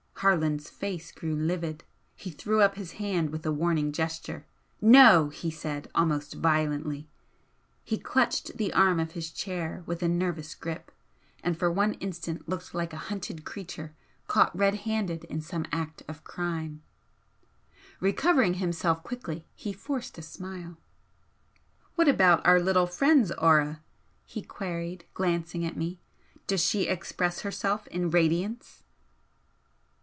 Harland's face grew livid. He threw up his hand with a warning gesture. "No!" he said, almost violently. He clutched the arm of his chair with a nervous grip, and for one instant looked like a hunted creature caught red handed in some act of crime. Recovering himself quickly, he forced a smile. "What about our little friend's 'aura'?" he queried, glancing at me "Does she 'express' herself in radiance?"